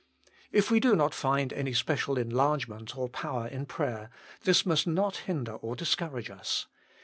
If we do not find any special enlargement or power in prayer, this must not hinder or discourage us.